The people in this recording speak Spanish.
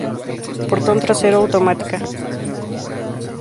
Portón trasero automática.